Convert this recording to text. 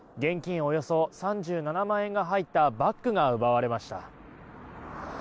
およそ３７万円が入ったバッグが奪われました。